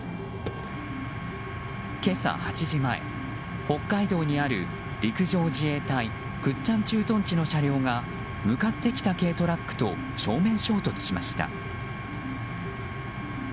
今朝８時前、北海道にある陸上自衛隊倶知安駐屯地の車両が向かってきた軽トラックと正面衝突しました。